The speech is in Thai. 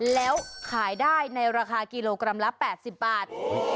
แล้วขายได้ในราคากิโลกรัมละ๘๐บาท